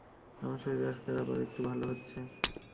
আমার শরীর আজকাল আবার একটু ভাল হচ্ছে।